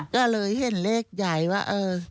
ก็เลยเห็นเลขยายว่า๐๐๕